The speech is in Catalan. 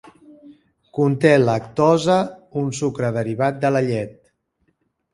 Conté lactosa, un sucre derivat de la llet.